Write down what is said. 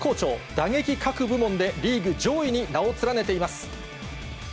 打撃各部門でリーグ上位に名を連ねています。